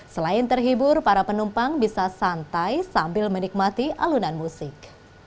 selain terhibur para penumpang bisa santai sambil menikmati alunan musik